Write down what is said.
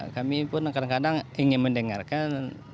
kami pun kadang kadang ingin mendengarkan